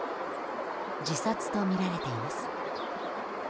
自殺とみられています。